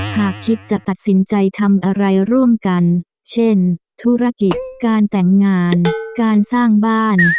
หากคิดจะตัดสินใจทำอะไรร่วมกันเช่นธุรกิจการแต่งงานการสร้างบ้าน